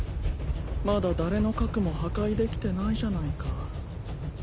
まだ誰の核も破壊できてないじゃないか。